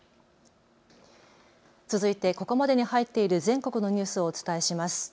続いて、ここまでに入っている全国のニュースをお伝えします。